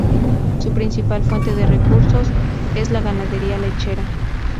Su principal fuente de recursos es la ganadería lechera.